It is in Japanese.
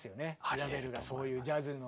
ラヴェルがそういうジャズの。